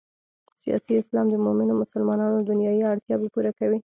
سیاسي اسلام د مومنو مسلمانانو دنیايي اړتیاوې پوره کوي.